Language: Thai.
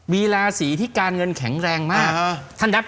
มีราศีที่การเงินแข็งแรงมาก